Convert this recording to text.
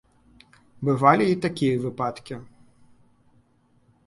Бывалі і такія выпадкі.